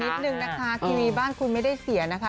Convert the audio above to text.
นิดนึงนะคะทีวีบ้านคุณไม่ได้เสียนะคะ